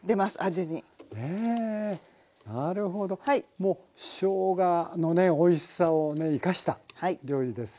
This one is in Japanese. もうしょうがのねおいしさをねいかした料理ですよね。